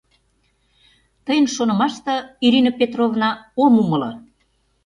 Тыйын шонымаште, Ирина Петровна, ом умыло...